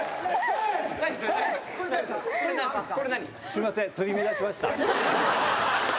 すいません。